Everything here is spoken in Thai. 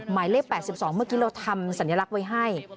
หมายเลข๘๒เมื่อกี้เราทำสัญลักษณ์ไว้ให้